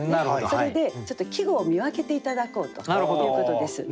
それでちょっと季語を見分けて頂こうということです。